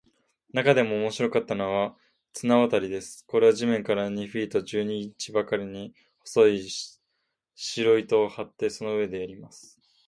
なかでも面白かったのは、綱渡りです。これは地面から二フィート十二インチばかりに、細い白糸を張って、その上でやります。